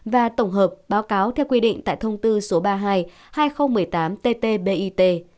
và tổng hợp báo cáo theo quy định tại thông tư số ba mươi hai hai nghìn một mươi tám tt bit